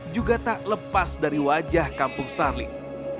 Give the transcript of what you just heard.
juga tak lepas dari wajah kampung starling